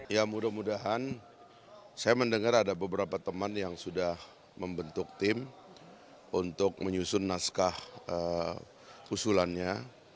ya mudah mudahan saya mendengar ada beberapa teman yang sudah membentuk tim untuk menyusun naskah usulannya